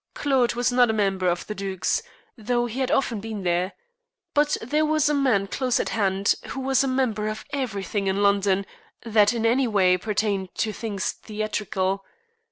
Claude was not a member of the "Duke's," though he had often been there. But there was a man close at hand who was a member of everything in London that in any way pertained to things theatrical.